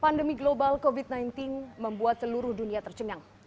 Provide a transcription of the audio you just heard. pandemi global covid sembilan belas membuat seluruh dunia tercengang